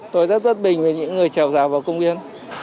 tôi rất bất bình với những người trèo rào vào công viên